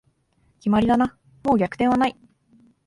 決まりだな、もう逆転はない